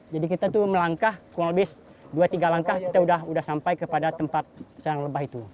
jadi kita itu melangkah kurang lebih dua tiga langkah kita sudah sampai kepada tempat sarang lebah itu